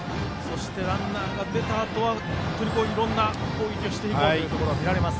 ランナーが出たあとはいろいろな攻撃をしていこうというのが見られます。